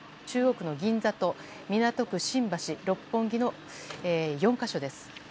中央区の銀座と港区新橋、六本木の４か所です。